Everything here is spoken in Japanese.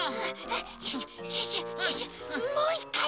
シュッシュシュッシュもう１かい。